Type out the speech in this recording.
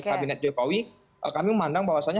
kabinet joy pauwi kami memandang bahwasannya